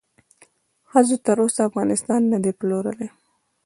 ښځو تر اوسه افغانستان ندې پلورلی